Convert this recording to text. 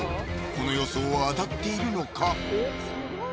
この予想は当たっているのか？